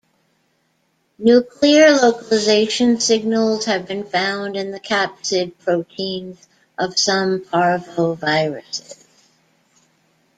Nuclear localization signals have been found in the capsid proteins of some parvoviruses.